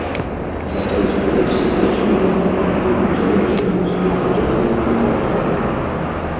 Шатры званіцы і асноўнага аб'ёму завершаны цыбулепадобнымі купалкамі.